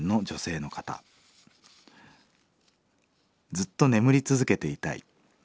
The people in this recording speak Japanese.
「ずっと眠り続けていたい。